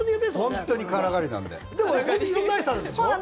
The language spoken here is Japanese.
いろんなアイスあるんでしょ？